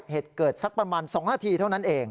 เหตุเกิดสักประมาณ๒นาทีเท่านั้นเอง